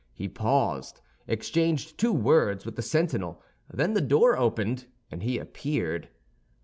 He paused, exchanged two words with the sentinel; then the door opened, and he appeared.